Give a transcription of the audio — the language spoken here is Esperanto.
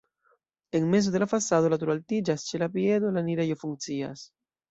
En mezo de la fasado la turo altiĝas, ĉe la piedo la enirejo funkcias.